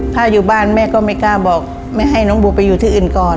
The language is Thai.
ถ้าอยู่บ้านแม่ก็ไม่กล้าบอกไม่ให้น้องบูไปอยู่ที่อื่นก่อน